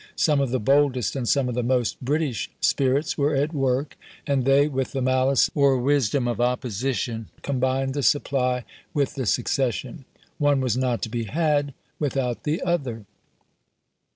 Some of the boldest, and some of the most British spirits were at work; and they, with the malice or wisdom of opposition, combined the supply with the succession; one was not to be had without the other.